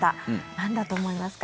なんだと思いますか？